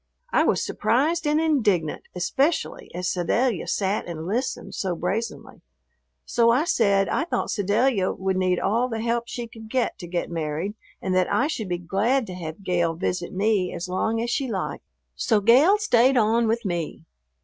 I was surprised and indignant, especially as Sedalia sat and listened so brazenly, so I said I thought Sedalia would need all the help she could get to get married and that I should be glad to have Gale visit me as long as she liked. So Gale stayed on with me.